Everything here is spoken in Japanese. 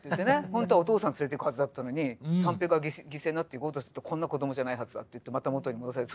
ほんとはお父さん連れていくはずだったのに三平が犠牲になって行こうとするとこんな子どもじゃないはずだって言ってまた元に戻されて。